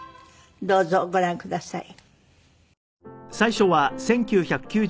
どうぞご覧ください。